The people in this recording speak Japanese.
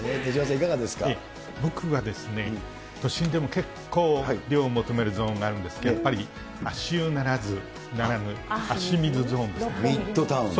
僕はですね、都心でも結構、涼を求めるゾーンがあるんですけど、やっぱり足湯ならぬ、足水ゾミッドタウンの。